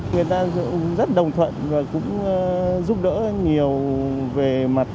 người ta cũng rất đồng thuận và cũng giúp đỡ nhiều về mặt